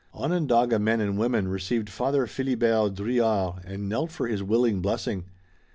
Onondaga men and women received Father Philibert Drouillard, and knelt for his willing blessing.